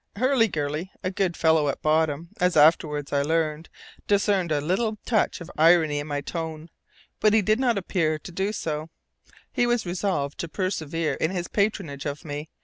"Very likely." Hurliguerly, a good fellow at bottom, as I afterwards learned, discerned a little touch of irony in my tone; but he did not appear to do so; he was resolved to persevere in his patronage of me.